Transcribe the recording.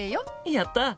やった！